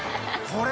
これ。